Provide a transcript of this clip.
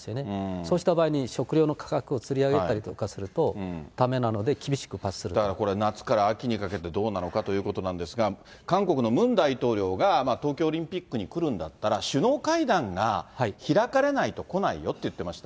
そうした場合に食料の価格をつり上げたりすると、だめなので、厳だからこれ、夏から秋にかけてどうなのかということなんですが、韓国のムン大統領が東京オリンピックに来るんだったら首脳会談が開かれないと来ないよって言ってました。